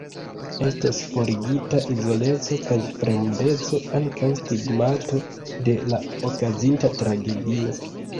Estos forigita izoleco kaj fremdeco, ankaŭ stigmato de la okazinta tragedio.